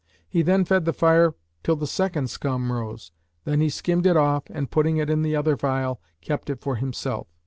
He then fed the fire till the second scum rose; then he skimmed it off and, putting it in the other phial kept it for himself.